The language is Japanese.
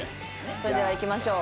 それではいきましょう。